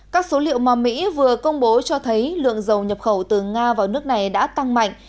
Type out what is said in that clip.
các số liệu mà mỹ vừa công bố cho thấy lượng dầu nhập khẩu từ nga vào nước này đã tăng mạnh